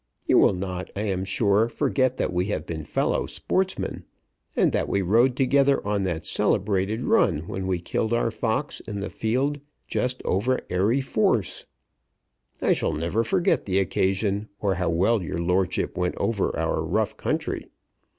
You will not, I am sure, forget that we have been fellow sportsmen, and that we rode together on that celebrated run when we killed our fox in the field just over Airey Force. I shall never forget the occasion, or how well your lordship went over our rough country.